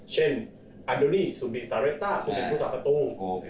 เช่นอัลโดนีสุมิสาเลต้าสุมิสภาษาประตู